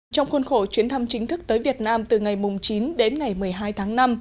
trong khuôn khổ chuyến thăm chính thức tới việt nam từ ngày chín đến ngày một mươi hai tháng năm